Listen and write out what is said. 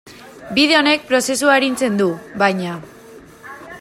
Bide honek prozesua arintzen du, baina.